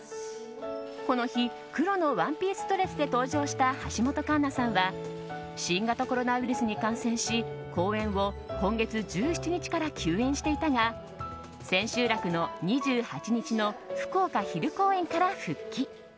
この日、黒のワンピースドレスで登場した橋本環奈さんは新型コロナウイルスに感染し公演を、今月１７日から休演していたが千秋楽の２８日の福岡昼公演から復帰。